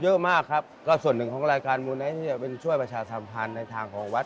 เยอะมากครับก็ส่วนหนึ่งของรายการมูไนท์เนี่ยเป็นช่วยประชาสัมพันธ์ในทางของวัด